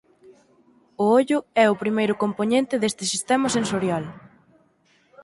O ollo é o primeiro compoñente deste sistema sensorial.